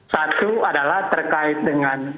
satu adalah terkait dengan